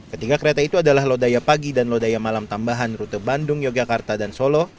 ketiga kereta itu adalah lodaya pagi dan lodaya malam tambahan rute bandung yogyakarta dan solo